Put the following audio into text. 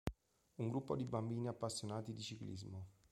Un gruppo di bambini appassionati di ciclismo.